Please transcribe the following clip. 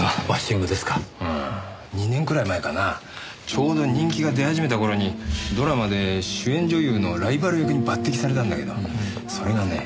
ちょうど人気が出始めた頃にドラマで主演女優のライバル役に抜擢されたんだけどそれがね